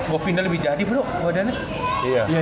bopindah lebih jadi bro badannya